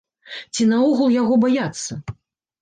Ці, наогул, яго баяцца?